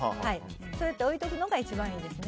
そうやって置いておくのが一番いいです。